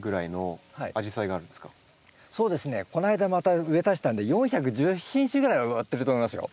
そうですねこないだまた植え足したんで４１０品種ぐらいは植わってると思いますよ。